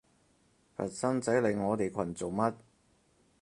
佛山仔嚟我哋群做乜？